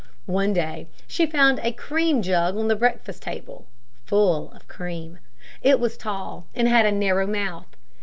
One day she found a cream jug on the breakfast table, full of cream. It was tall, and had a narrow mouth.